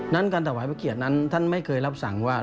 นั้นการถวายพระเกียรตินั้นท่านไม่เคยรับสั่งว่า